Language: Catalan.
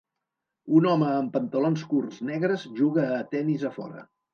Un home amb pantalons curts negres juga a tenis a fora.